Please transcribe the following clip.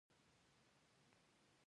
اوبه د پښتورګو لپاره ضروري دي.